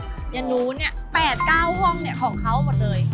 ที่นั่นนู้นเนี่ย๘๙ห้องเนี่ยเขาเขาหมดเลย